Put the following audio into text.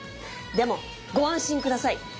でもご安心下さい！